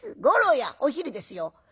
「五郎やお昼ですよ。